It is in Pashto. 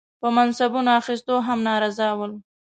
په منصبونو اخیستو هم ناراضه ول.